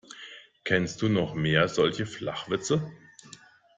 Kennst du noch mehr solche Flachwitze?